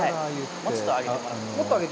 もうちょっと上げてもらって。